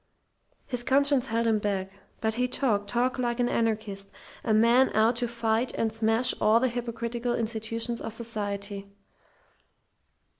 His conscience held him back. But he talked talked like an anarchist, a man out to fight and smash all the hypocritical institutions of society.